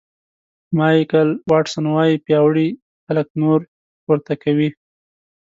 مایکل واټسن وایي پیاوړي خلک نور پورته کوي.